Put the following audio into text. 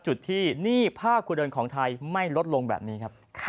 จุดที่หนี้ภาคคุณเดินของไทยไม่ลดลงแบบนี้ครับ